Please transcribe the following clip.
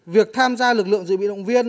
việc tham gia lực lượng dự bị động viên